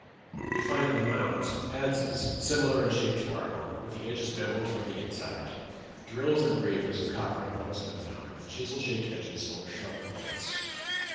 We find in the mounds adzes similar in shape to our own, with the edges bevelled from the inside. Drills and gravers of copper have also been found, with chisel shaped edges or sharp points.